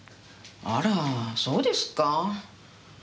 あらそうですか？